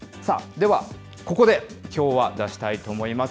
ではここで、きょうは出したいと思います。